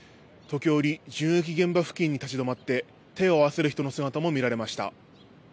時折、銃撃現場付近に立ち止まって手を合わせる人の姿も見られました。